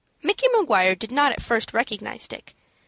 Micky Maguire did not at first recognize Dick.